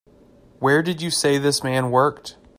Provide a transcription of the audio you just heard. Where did you say this man worked?